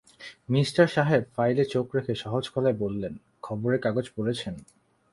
Minister সাহেব ফাইলে চোখ রেখে সহজ গলায় বললেন, খবরের কাগজ পড়েছেন?